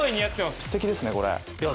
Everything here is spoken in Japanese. すてきですねこれ。